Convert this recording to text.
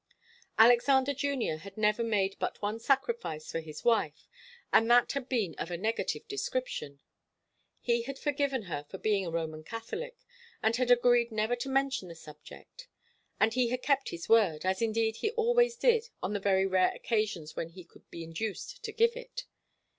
Alexander Junior had never made but one sacrifice for his wife, and that had been of a negative description. He had forgiven her for being a Roman Catholic, and had agreed never to mention the subject; and he had kept his word, as indeed he always did on the very rare occasions when he could be induced to give it.